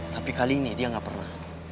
tapi kali ini dia nggak pernah